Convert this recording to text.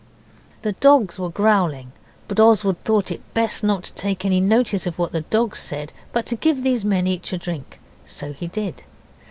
The dogs were growling, but Oswald thought it best not to take any notice of what the dogs said, but to give these men each a drink. So he did.